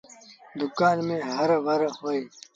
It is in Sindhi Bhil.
دُڪآن ميݩ هر وڙ اهي۔